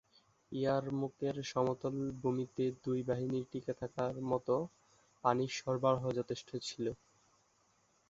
ইয়ারমুকের সমতল ভূমিতে দুই বাহিনীর টিকে থাকার মত পানির সরবরাহ যথেষ্ট ছিল।